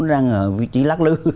đang ở vị trí lắc lư